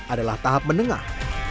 adalah tahap menengah